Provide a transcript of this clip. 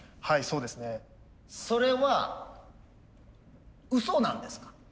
はいそうですね。それはうそなんですか？